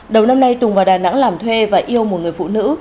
đầu năm nay tùng vào đà nẵng làm thuê và yêu một người phụ nữ